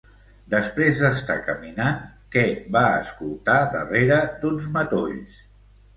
Després d'estar caminant, què va escoltar darrere d'uns matolls?